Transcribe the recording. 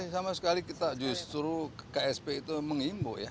sama sekali kita justru ksp itu mengimbo ya